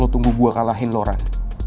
lo tunggu gue kalahin loren